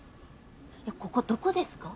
ここどこですか？